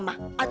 oh ini dia